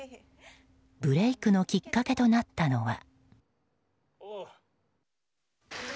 ブレークのきっかけとなったのは。